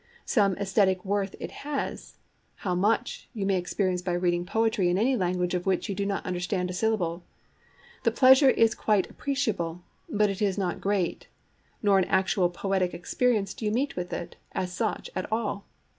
Some aesthetic worth it has; how much, you may experience by reading poetry in a language of which you do not understand a syllable. The pleasure is quite appreciable, but it is not great; nor in actual poetic experience do you meet with it, as such, at all.